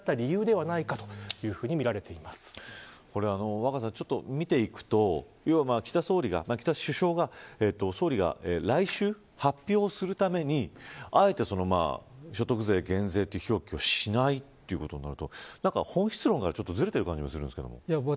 若狭さん、見ていくと岸田総理が来週発表するためにあえて所得税減税という表記をしないということになると本質論からずれているような感じがしますが。